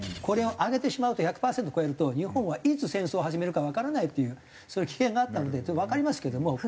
これを上げてしまうと１００パーセントを超えると日本はいつ戦争を始めるかわからないというその危険があったのでわかりますけども。